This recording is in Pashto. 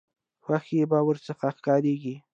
خوښي به ورڅخه ښکاریږي.